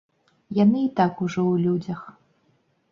Яны і так ужо ў людзях.